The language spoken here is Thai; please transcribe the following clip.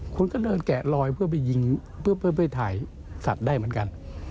คุณก็เดินแกะลอยเพื่อไปยิงเพื่อไปถ่ายสัตว์ได้เหมือนกัน